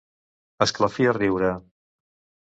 Esclafir a riure.